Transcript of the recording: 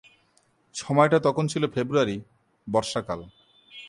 সময়টা তখন ছিল ফেব্রুয়ারি, বর্ষাকাল।